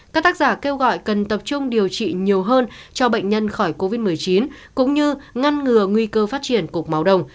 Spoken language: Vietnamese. các tác giả kêu gọi cần tập trung điều trị nhiều hơn cho bệnh nhân khỏi covid một mươi chín cũng như ngăn ngừa nguy cơ phát triển cục máu đồng